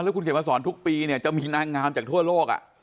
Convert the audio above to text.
คุณเขียนมาสอนทุกปีเนี่ยจะมีนางงามจากทั่วโลก